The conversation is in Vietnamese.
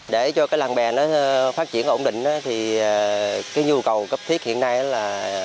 để cho cái làng bè nó phát triển ổn định thì cái nhu cầu cấp thiết hiện nay là